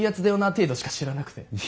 程度しか知らなくて。